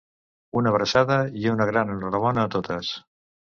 Una abraçada i una gran enhorabona a totes!